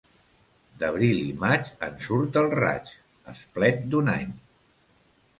D'abril i maig en surt el raig, esplet d'un any.